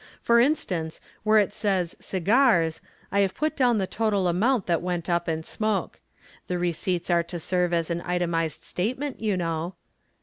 For instance, where it says 'cigars,' I have put down the total amount that went up in smoke. The receipts are to serve as an itemized statement, you know."